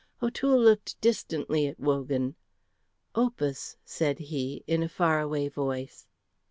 O'Toole looked distantly at Wogan. "Opus," said he, in a far away voice.